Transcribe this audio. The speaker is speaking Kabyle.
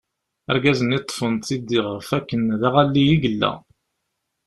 Argaz-nni ṭṭfen-t-id ɣef akken d aɣalli i yella.